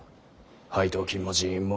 配当金も人員も。